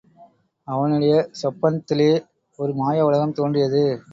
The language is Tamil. அவனுடைய சொப்பன்த்திலே ஒரு மாய உலகம் தோன்றியது.